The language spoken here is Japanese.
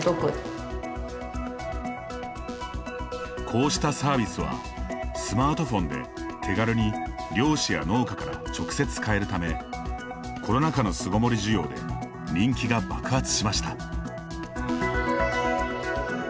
こうしたサービスはスマートフォンで手軽に漁師や農家から直接買えるためコロナ禍の巣ごもり需要で人気が爆発しました。